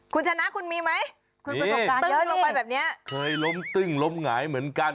คุณชนะคุณมีไหมติ้งลงไปแบบนี้คลิ้งตึ้งลงไปแบบนี้ลบหายเหมือนกัน